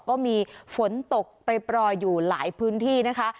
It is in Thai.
ก็มีฝนตกไปปล่อยอยู่หลายพื้นที่นะคะ